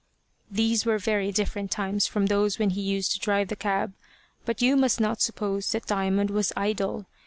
These were very different times from those when he used to drive the cab, but you must not suppose that Diamond was idle.